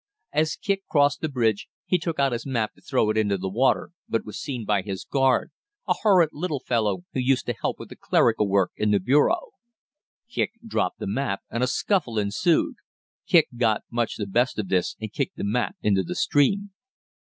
As Kicq crossed the bridge he took out his map to throw it into the water, but was seen by his guard, a horrid little fellow who used to help with the clerical work in the bureau. Kicq dropped the map, and a scuffle ensued. Kicq got much the best of this and kicked the map into the stream.